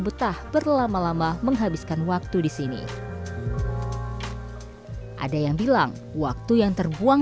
betah berlama lama menghabiskan waktu di sini ada yang bilang waktu yang terbuang